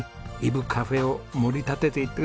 カフェを盛り立てていってくださいね！